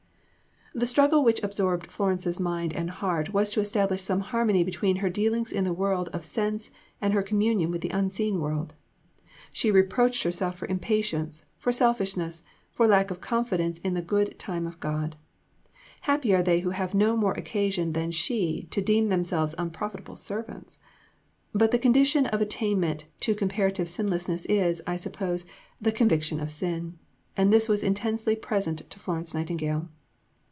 The struggle which absorbed Florence's mind and heart was to establish some harmony between her dealings in the world of sense and her communion with the unseen world. She reproached herself for impatience, for selfishness, for lack of confidence in the good time of God. Happy are they who have no more occasion than she to deem themselves unprofitable servants! But the condition of attainment to comparative sinlessness is, I suppose, the Conviction of Sin; and this was intensely present to Florence Nightingale.